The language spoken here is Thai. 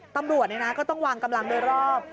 ตำรวจก็ต้องวางกำลังโดยรอบ